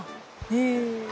へえ。